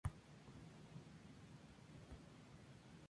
que el gigante comercial de turno se empeñe en no vender tu disco